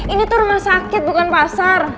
ini tuh rumah sakit bukan pasar